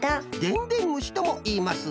でんでんむしともいいます。